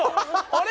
あれ？